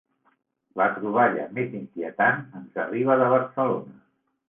La troballa més inquietant ens arriba de Barcelona.